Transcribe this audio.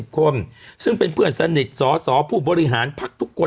คนซึ่งเป็นเพื่อนสนิทสสผู้บริหารพักทุกคน